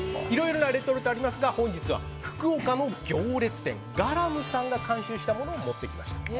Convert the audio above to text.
いろいろなレトルトがありますが本日は、福岡の行列店ガラムさんが監修したものを持ってきました。